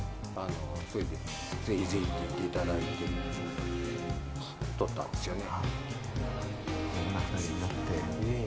それで、ぜひぜひ！って言っていただいて録ったんですよね。